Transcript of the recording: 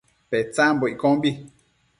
Petsambo iccombi